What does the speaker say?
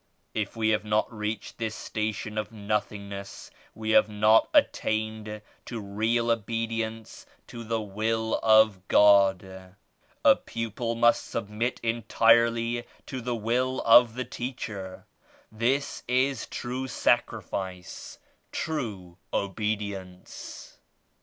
If we have not reached this station of nothingness we have not attained to real obedience to the Will of God. A pupil must submit entirely to the will of the teacher. This is true Sacri fice — true Obedience."